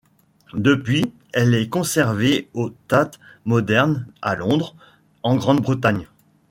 Depuis, elle est conservée au Tate Modern à Londres, en Grande-Bretagne.